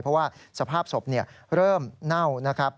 เพราะว่าสภาพศพเริ่มเน่า